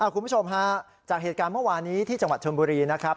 คุณผู้ชมฮะจากเหตุการณ์เมื่อวานี้ที่จังหวัดชนบุรีนะครับ